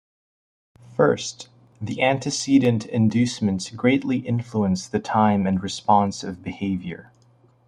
First, the antecedent inducements greatly influence the time and response of behavior.